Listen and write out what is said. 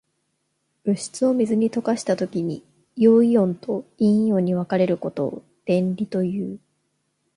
物質を水に溶かしたときに、陽イオンと陰イオンに分かれることを電離という。